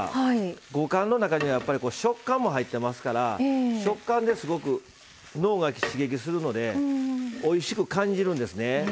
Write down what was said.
五感の中で食感も入ってますから食感で、すごく脳を刺激するのでおいしく感じるんですね。